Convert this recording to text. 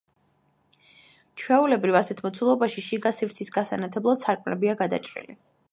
ჩვეულებრივ, ასეთ მოცულობაში შიგა სივრცის გასანათებლად სარკმლებია გაჭრილი.